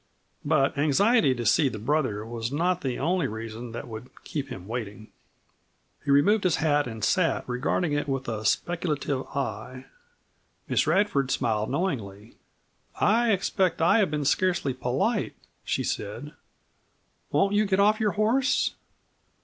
But anxiety to see the brother was not the only reason that would keep him waiting. He removed his hat and sat regarding it with a speculative eye. Miss Radford smiled knowingly. "I expect I have been scarcely polite," she said. "Won't you get off your horse?"